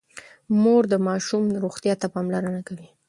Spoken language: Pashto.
مور د ماشوم روغتيا ته پاملرنه کوي.